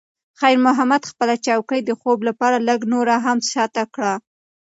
خیر محمد خپله چوکۍ د خوب لپاره لږ نوره هم شاته کړه.